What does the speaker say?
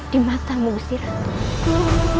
di mata wusti ratu